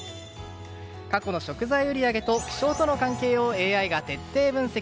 過去の食材売り上げと気象との関係をＡＩが徹底分析。